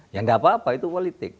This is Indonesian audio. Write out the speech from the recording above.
ya nggak apa apa itu politik